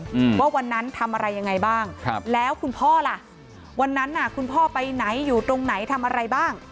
อืมว่าวันนั้นทำอะไรยังไงบ้างครับแล้วคุณพ่อล่ะวันนั้นน่ะคุณพ่อไปไหนอยู่ตรงไหนทำอะไรบ้าง